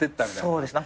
そうです。